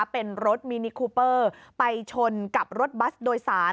เป็นรถมินิคูเปอร์ไปชนกับรถบัสโดยสาร